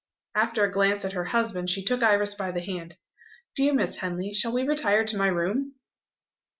After a glance at her husband, she took Iris by the hand: "Dear Miss Henley, shall we retire to my room?"